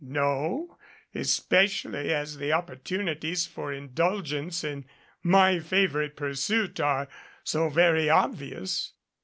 "No especially as the opportunities for indulgence in my favorite pursuit are so very obvious."